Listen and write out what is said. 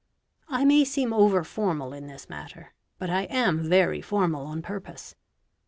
I may seem over formal in this matter, but I am very formal on purpose.